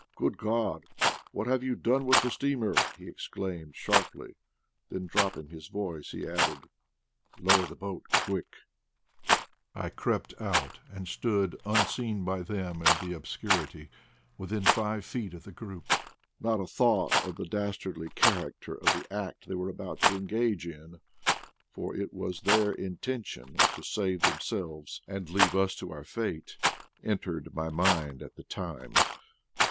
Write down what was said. "Good God, what have you done with the steamer!" he exclaimed sharply; then, dropping his voice, he added, "Lower the boat — quickl" I crept out and stood, unseen by them in the obscurity, within five feet of the group. Not a thought of the dastardly character of the act they were about to engage in — for it was their inten tion to save themselves and leave us to our fate — entered my mind at the time.